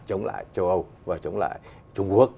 chống lại châu âu và chống lại trung quốc